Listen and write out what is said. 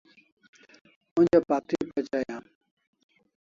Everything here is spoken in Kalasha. Onja pakti pachai am